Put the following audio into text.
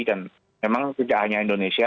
dan memang tidak hanya indonesia